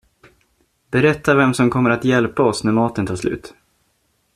Berätta vem som kommer att hjälpa oss när maten tar slut.